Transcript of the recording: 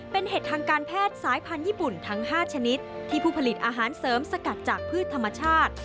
เป็นเห็ดทางการแพทย์สายพันธุ์ญี่ปุ่นทั้ง๕ชนิดที่ผู้ผลิตอาหารเสริมสกัดจากพืชธรรมชาติ